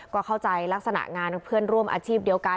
ก็เข้าใจลักษณะงานเพื่อนร่วมอาชีพเดียวกัน